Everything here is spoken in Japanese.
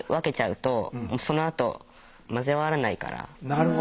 なるほど。